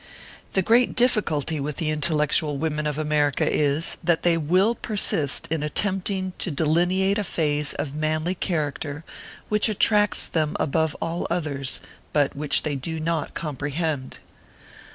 The great difficulty with the intellectual women of America is, that they will persist in attempting to delineate a phase of manly character which attracts them above all others, but which they do not com prehend.